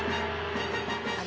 あれ？